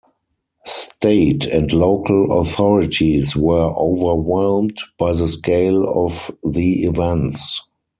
State and local authorities were overwhelmed by the scale of the events.